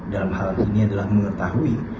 dalam hal ini adalah mengetahui